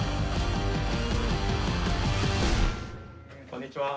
こんにちは。